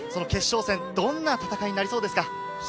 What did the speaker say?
決勝戦、どんな戦いになりそうですか？